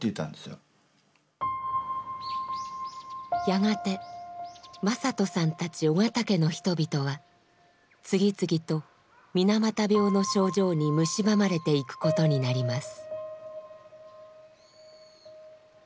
やがて正人さんたち緒方家の人々は次々と水俣病の症状にむしばまれていくことになります。